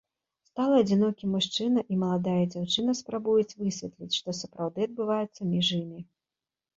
Сталы адзінокі мужчына і маладая дзяўчына спрабуюць высветліць, што сапраўды адбываецца між імі.